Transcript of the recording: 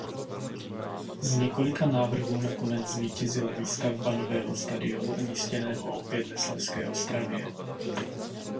Z několika návrhů nakonec zvítězila výstavba nového stadionu umístěného opět ve Slezské Ostravě.